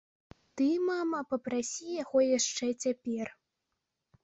Ты, мама, папрасі яго яшчэ цяпер.